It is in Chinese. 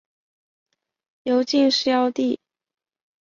由进士擢第。